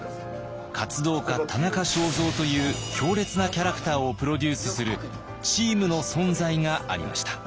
「活動家・田中正造」という強烈なキャラクターをプロデュースするチームの存在がありました。